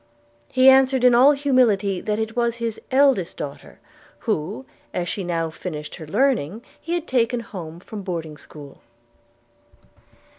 He answered in all humility that it was his eldest daughter, who, as she had now finished her learning, he had taken home from boarding school.